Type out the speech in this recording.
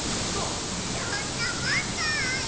どんなもんだい！